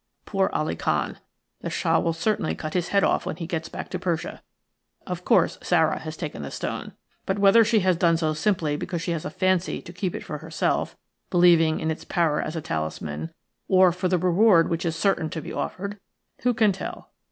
Poor Ali Khan, the Shah will certainly cut his head off when he gets back to Persia. Of course, Sara has taken the stone. But whether she has done so simply because she has a fancy to keep it for herself, believing in its power as a talisman, or for the reward which is certain to be offered, who can tell?